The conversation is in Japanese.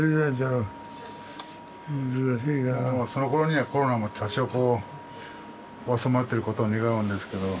そのころにはコロナも多少こう収まってることを願うんですけど。